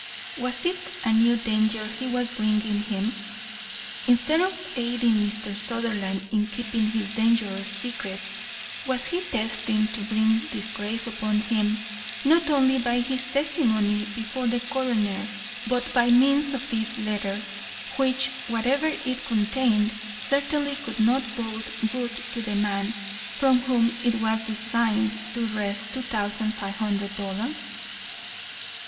Was it a new danger he was bringing him? Instead of aiding Mr. Sutherland in keeping his dangerous secret, was he destined to bring disgrace upon him, not only by his testimony before the coroner, but by means of this letter, which, whatever it contained, certainly could not bode good to the man from whom it was designed to wrest two thousand five hundred dollars?